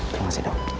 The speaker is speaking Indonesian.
terima kasih dok